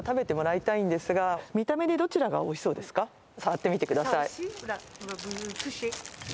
触ってみてください